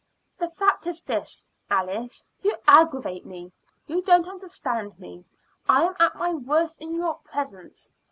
The fact is this, Alice: you aggravate me; you don't understand me; I am at my worst in your presence.